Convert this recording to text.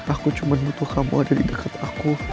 aku cuma butuh kamu ada di dekat aku